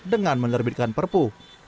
dengan menerbitkan perpu